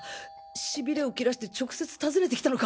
シビレを切らして直接訪ねて来たのか。